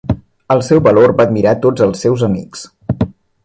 El seu valor va admirar tots els seus amics.